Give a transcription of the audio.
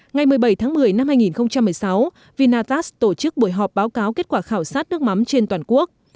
ngày một mươi bảy tháng một mươi năm hai nghìn một mươi sáu vinatast tổ chức buổi họp báo cáo kết quả khảo sát nước mắm trên toàn quốc